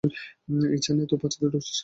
ইচ্ছা নাই তো পাছাতে ডুকছিস কেন?